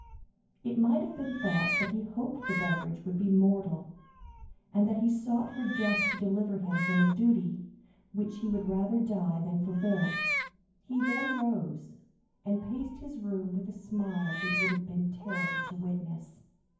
It might have been thought that he hoped the beverage would be mortal, and that he sought for death to deliver him from a duty which he would rather die than fulfil. He then rose, and paced his room with a smile it would have been terrible to witness.